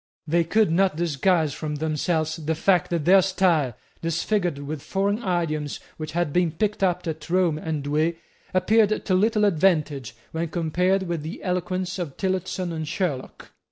They could not disguise from themselves the fact that their style, disfigured with foreign idioms which had been picked up at Rome and Douay, appeared to little advantage when compared with the eloquence of Tillotson and Sherlock.